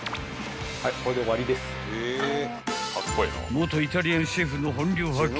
［元イタリアンシェフの本領発揮］